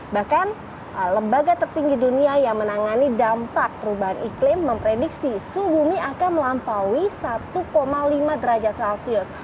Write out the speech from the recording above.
bahkan lembaga tertinggi dunia yang menangani dampak perubahan iklim memprediksi suhu bumi akan melampaui satu lima derajat celcius